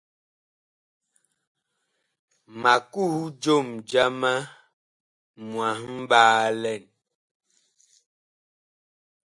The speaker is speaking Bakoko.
Ma kuh jom jama mwahɓaalɛn.